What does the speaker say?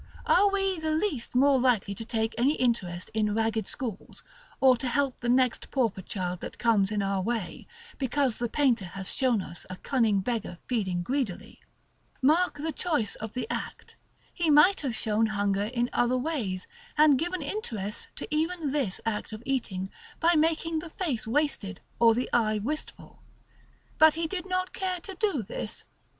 Are we the least more likely to take any interest in ragged schools, or to help the next pauper child that comes in our way, because the painter has shown us a cunning beggar feeding greedily? Mark the choice of the act. He might have shown hunger in other ways, and given interest to even this act of eating, by making the face wasted, or the eye wistful. But he did not care to do this.